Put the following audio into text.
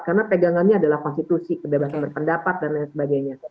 karena pegangannya adalah konstitusi kebebasan berpendapat dan lain sebagainya